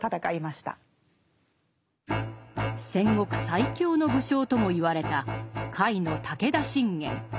戦国最強の武将とも言われた甲斐の武田信玄。